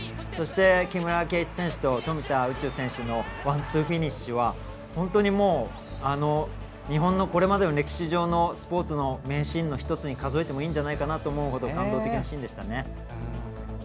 木村敬一選手と富田宇宙選手のワンツーフィニッシュは日本のこれまでの歴史上のスポーツの名シーンの１つに数えてもいいんじゃないかと思うほど感動的なシーンでしたね。